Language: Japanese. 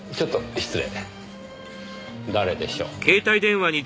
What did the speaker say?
失礼。